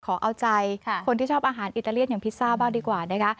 ขอเอาใจคนที่ชอบอาหารอิตาเลียนอย่างพิซซ่าบ้างดีกว่านะคะ